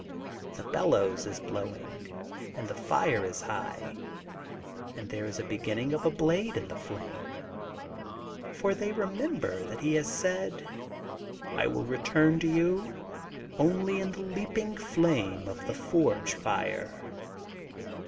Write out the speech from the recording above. The bellows is blow ing and the fire is high and there is the 266 THE GOLDEN BOOK OF SPRINGFIELD 267 beginniiig of a blade in the flame, for they remember that he has said: ^'I will return to yon only in the leaping flame of the forge fire.'